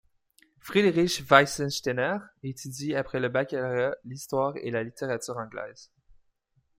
Friedrich Weisseinsteiner étudie après le baccalauréat l'histoire et la littérature anglaise.